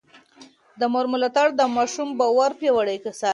د مور ملاتړ د ماشوم باور پياوړی ساتي.